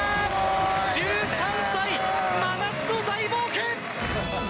１３歳、真夏の大冒険！